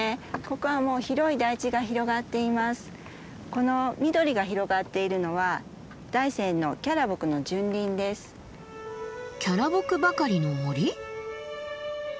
この緑が広がっているのは大山のキャラボクばかりの森？